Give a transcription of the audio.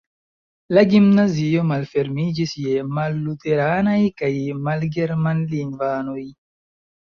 La gimnazio malfermiĝis je malluteranaj kaj malgermanlingvanoj.